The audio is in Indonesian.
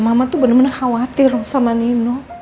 mama tuh bener bener khawatir loh sama nino